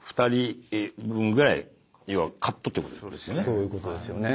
そういうことですよね。